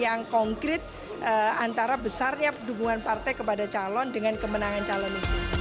yang konkret antara besarnya dukungan partai kepada calon dengan kemenangan calon itu